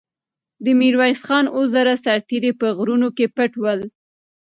د میرویس خان اوه زره سرتېري په غرونو کې پټ ول.